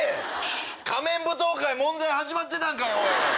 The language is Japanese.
『仮面舞踏会』問題始まってたんかい！